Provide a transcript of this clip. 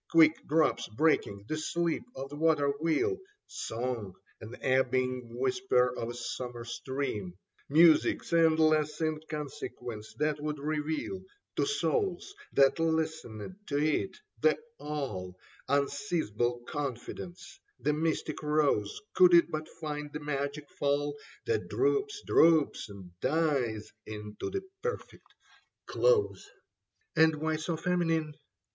Quick drops breaking the sleep of the water wheel. Song and ebbing whisper of a summer stream, Music's endless inconsequence that would reveal To souls that listened for it, the all Unseizable confidence, the mystic Rose, Could it but find the magical fall That droops, droops and dies into the perfect close ... Soles Occidere et Redire Possunt 59 And why so feminine